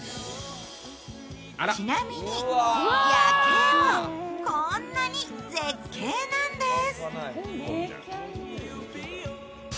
ちなみに、夜景もこんなに絶景なんです。